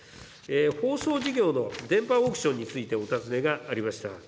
放送事業の電波オークションについてお尋ねがありました。